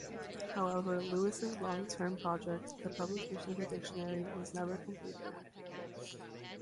However, Lewis's long-term project, the publication of a dictionary, was never completed.